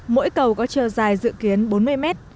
mỗi cầu có chiều dài dự kiến bốn mươi mét